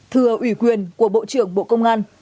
thưa ủy quyền của bộ trưởng bộ công an